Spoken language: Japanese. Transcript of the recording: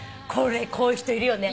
こういう人いるよね。